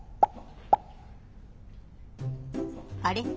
あれ？